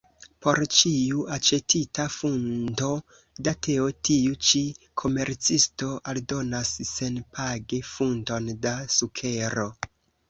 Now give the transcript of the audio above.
Por ĉiu aĉetita funto da teo tiu ĉi komercisto aldonas senpage funton da sukero.